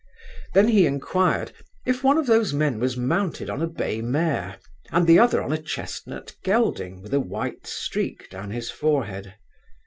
Then he inquired, if one of those men was mounted on a bay mare, and the other on a chestnut gelding with a white streak down his forehead?